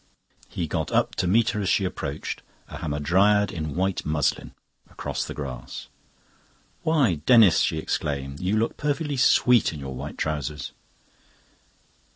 He got up to meet her as she approached, a Hamadryad in white muslin, across the grass. "Why, Denis," she exclaimed, "you look perfectly sweet in your white trousers."